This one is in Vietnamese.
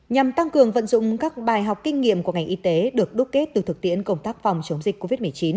nhằm tăng cường vận dụng các bài học kinh nghiệm của ngành y tế được đúc kết từ thực tiễn công tác phòng chống dịch covid một mươi chín